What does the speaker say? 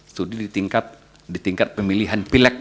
studi di tingkat pemilihan pilek